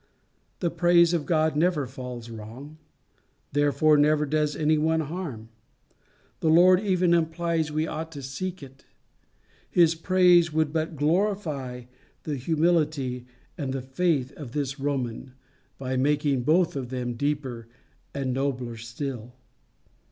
The praise of God never falls wrong, therefore never does any one harm. The Lord even implies we ought to seek it. His praise would but glorify the humility and the faith of this Roman by making both of them deeper and nobler still.